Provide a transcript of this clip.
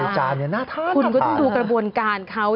ใส่จานน่าทานนะคุณก็ต้องดูกระบวนการเขา